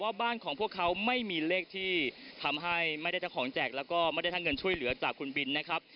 บ้านของพวกเขาไม่มีเลขที่ทำให้ไม่ได้ทั้งของแจกแล้วก็ไม่ได้ทั้งเงินช่วยเหลือจากคุณบินนะครับ